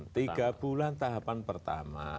tiga bulan tahapan pertama